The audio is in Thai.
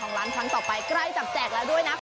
ล้านครั้งต่อไปใกล้จับแจกแล้วด้วยนะ